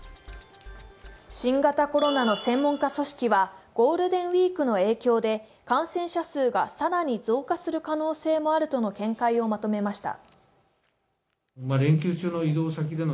新型コロナの専門家組織はゴールデンウィークの影響で感染者数が更に増加する可能性もあるとの見解をまとめました。